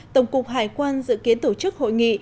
tổng cục hải quan dự kiến tổ chức hội nghị